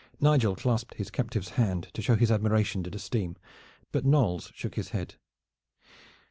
Nigel clasped his captive's hand to show his admiration and esteem, but Knolles shook his head.